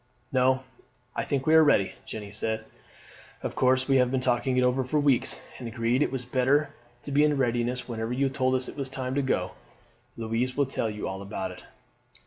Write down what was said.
"No, I think we are ready," Jeanne said. "Of course we have been talking it over for weeks, and agreed it was better to be in readiness whenever you told us it was time to go. Louise will tell you all about it."